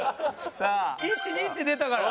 さあ１２って出たから。